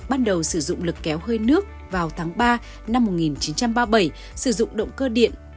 bắt đầu sử dụng lực kéo hơi nước vào tháng ba năm một nghìn chín trăm ba mươi bảy sử dụng động cơ điện